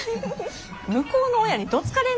向こうの親にどつかれんで。